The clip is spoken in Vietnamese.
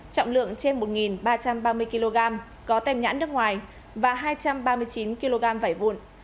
trọng lượng trên một ba trăm ba mươi kg có tem nhãn nước ngoài và hai trăm ba mươi chín kg vải vụn